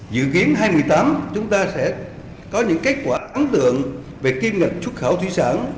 dự kiến hai nghìn một mươi tám chúng ta sẽ có những kết quả ấn tượng về kim ngạch xuất khẩu thủy sản